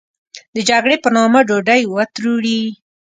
د جګړې په نامه ډوډۍ و تروړي.